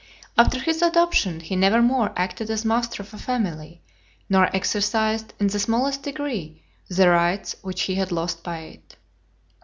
After his adoption, he never more acted as master of a (204) family, nor exercised, in the smallest degree, the rights which he had lost by it.